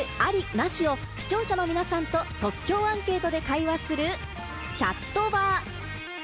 なし？を視聴者の皆さんと即興アンケートで会話するチャットバ。